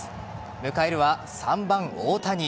迎えるは３番・大谷。